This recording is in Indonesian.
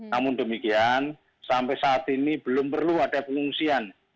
namun demikian sampai saat ini belum perlu ada pengungsian